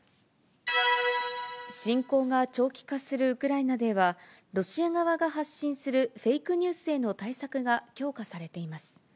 侵攻が長期化するウクライナでは、ロシア側が発信するフェイクニュースへの対策が強化されています。